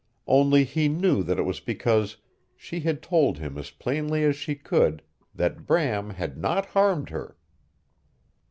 Only he knew that it was because she had told him as plainly as she could that Bram had not harmed her.